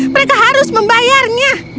mereka harus membayarnya